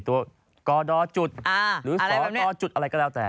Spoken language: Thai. ตัวกดจุดหรือสอดจุดอะไรก็แล้วแต่